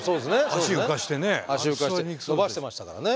足浮かして伸ばしてましたからね。